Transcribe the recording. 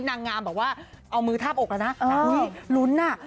นางงามบอกว่าเอามือทาบอกแล้วนะ